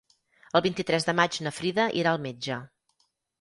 El vint-i-tres de maig na Frida irà al metge.